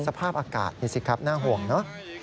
สภาพอากาศนี่สิครับน่าห่วงเนอะ